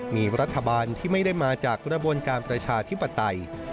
มีรัฐบาลที่ไม่ได้มาจากกระบวนการประชาธิปไตย